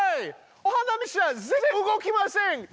お花見列車全然動きません！